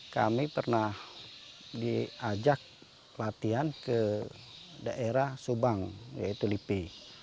kami pernah diajak latihan ke daerah subang yaitu lipi